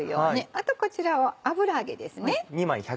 あとこちらは油揚げです。